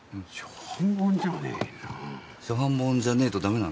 初版本じゃねえとダメなんすか？